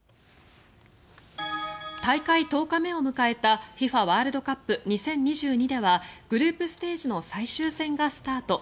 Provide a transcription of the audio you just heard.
大会１０日目を迎えたＦＩＦＡワールドカップ２０２２ではグループステージの最終戦がスタート。